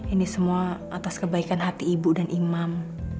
ini semua atas kebaikan hati ibu dan imam